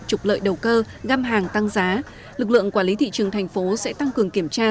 trục lợi đầu cơ găm hàng tăng giá lực lượng quản lý thị trường thành phố sẽ tăng cường kiểm tra